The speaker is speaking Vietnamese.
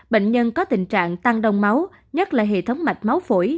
bệnh nhân có tình trạng tăng đông máu nhất là hệ thống mạch máu phổi